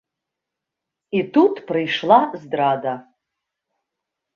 І тут прыйшла здрада.